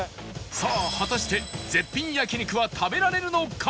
さあ果たして絶品焼肉は食べられるのか？